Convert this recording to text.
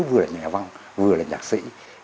tôi vừa là nhạc văn vừa là nhạc sĩ